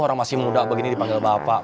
orang masih muda begini dipanggil bapak